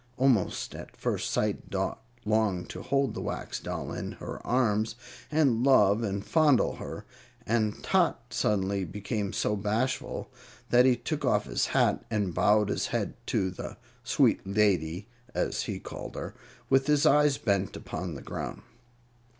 Almost at first sight Dot longed to hold the Wax Doll in her arms and love and fondle her, and Tot suddenly became so bashful that he took off his hat and bowed his head to the "sweet lady" (as he called her), with his eyes bent upon the ground.